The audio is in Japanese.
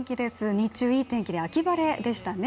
日中、いい天気で秋晴れでしたね。